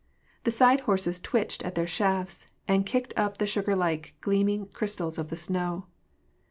The side horses twitched at the shafts, and kicked up the sugar like gleaming crystals of the snow.